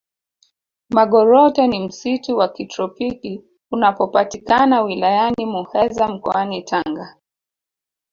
magoroto ni msitu wa kitropiki unapopatikana wilayani muheza mkoani tanga